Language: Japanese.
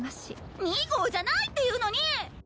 ２号じゃないっていうのに！